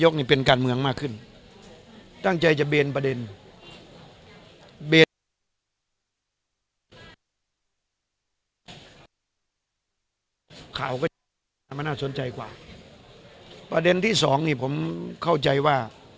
ข่าวก็มาน่าสนใจกว่าประเด็นที่สองนี่ผมเข้าใจว่า